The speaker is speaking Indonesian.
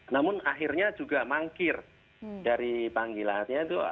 namun akhirnya juga mangkir dari panggilannya itu